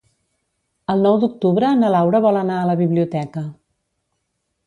El nou d'octubre na Laura vol anar a la biblioteca.